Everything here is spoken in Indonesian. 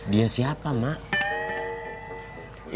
dia siapa mah